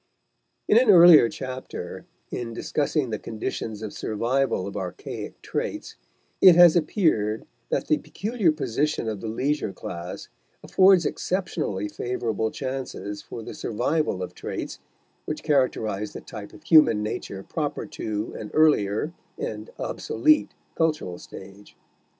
In an earlier chapter, in discussing the conditions of survival of archaic traits, it has appeared that the peculiar position of the leisure class affords exceptionally favorable chances for the survival of traits which characterize the type of human nature proper to an earlier and obsolete cultural stage.